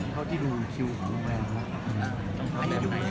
ตอนที่ไปออกวงการ